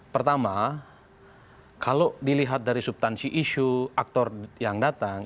pertama kalau dilihat dari subtansi isu aktor yang datang